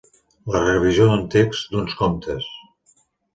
La revisió d'un text, d'uns comptes.